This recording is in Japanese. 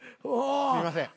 すみません。